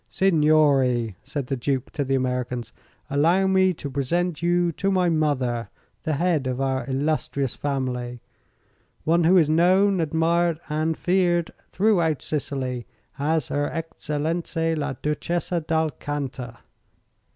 "Signori," said the Duke to the Americans, "allow me to present you to my mother, the head of our illustrious family; one who is known, admired and feared throughout Sicily as her Excellenza la Duchessa d'Alcanta."